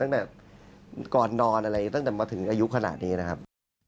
ตั้งแต่ก่อนนอนอะไรตั้งแต่มาถึงอายุขนาดนี้นะครับ